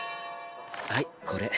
はいこれ。